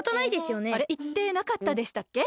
あれっいってなかったでしたっけ？